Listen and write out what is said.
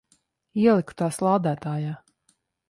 Ieliku tās lādētājā.